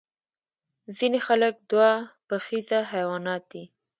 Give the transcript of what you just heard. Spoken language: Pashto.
ځینې خلک دوه پښیزه حیوانات دي